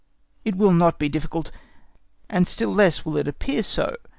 It will not be difficult, and still less will it appear so.